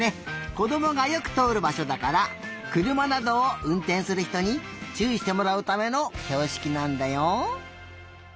こどもがよくとおるばしょだからくるまなどをうんてんするひとにちゅういしてもらうためのひょうしきなんだよ。